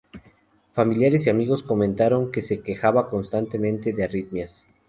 Familiares y amigos comentaron que se quejaba constantemente de arritmias.